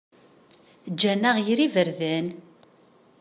Ǧǧan-aɣ gar yiberdan.